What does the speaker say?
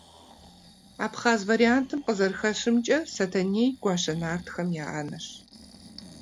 Абхъаз вариантым къызэрыхэщымкӏэ, Сэтэней гуащэ нартхэм я анэщ.